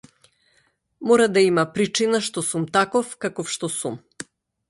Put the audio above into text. Мора да има причина што сум таков каков што сум.